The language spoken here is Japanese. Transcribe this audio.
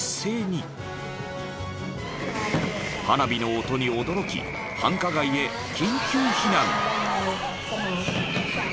［花火の音に驚き繁華街へ緊急避難］